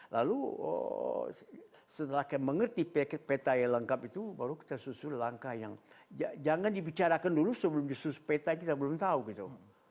lalu setelah mengerti peta yang lengkap itu baru kita susun langkah yang jangan dibicarakan dulu sebelum disusus peta kita belum tahu gitu